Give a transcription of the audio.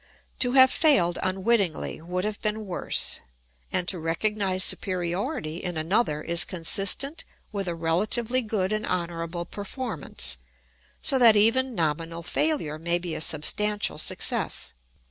To have failed unwittingly would have been worse; and to recognise superiority in another is consistent with a relatively good and honourable performance, so that even nominal failure may be a substantial success.